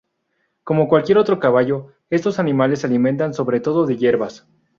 Como cualquier otro caballo, estos animales se alimentan sobre todo de hierbas.